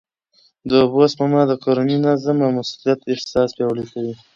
د اوبو سپما د کورني نظم او مسؤلیت احساس پیاوړی کوي.